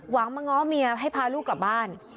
มาง้อเมียให้พาลูกกลับบ้าน